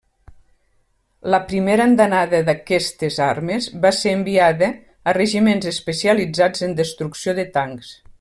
La primera andanada d’aquestes armes, va ser enviada a regiments especialitzats en destrucció de tancs.